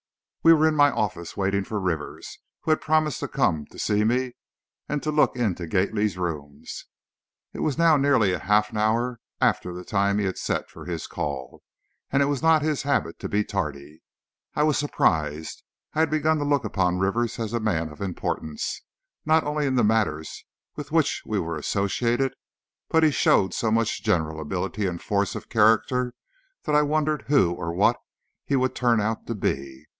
We were in my office, waiting for Rivers, who had promised to come to see me, and to look into the Gately rooms. It was now nearly half an hour after the time he had set for his call, and as it was not his habit to be tardy, I was surprised. I had begun to look upon Rivers as a man of importance, not only in the matters with which we were associated, but he showed so much general ability and force of character that I wondered who or what he would turn out to be.